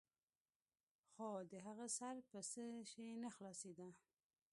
خو د هغه سر په څه شي نه خلاصېده.